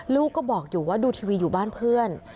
ลูกก็บอกอยู่ว่าดูทีวีอยู่บ้านเพื่อน